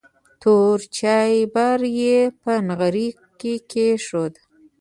تور چایبر یې په نغري کې کېښود.